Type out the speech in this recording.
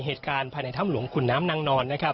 เหตุการณ์ภายในถ้ำหลวงขุนน้ำนางนอนนะครับ